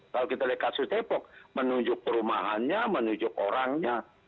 kalau kita lihat kasus depok menunjuk perumahannya menunjuk orangnya